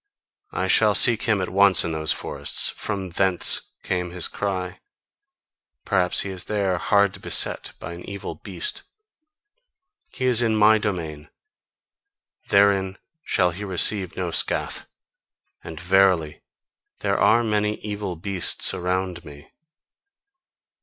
I shall seek him at once in those forests: FROM THENCE came his cry. Perhaps he is there hard beset by an evil beast. He is in MY domain: therein shall he receive no scath! And verily, there are many evil beasts about me."